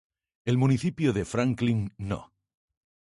El municipio de Franklin No.